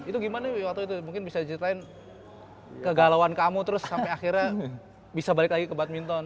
itu gimana waktu itu mungkin bisa diceritain kegalauan kamu terus sampe akhirnya bisa balik lagi ke badminton